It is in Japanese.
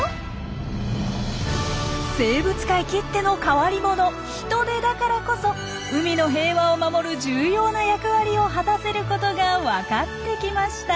生物界きっての変わり者ヒトデだからこそ海の平和を守る重要な役割を果たせることが分かってきました。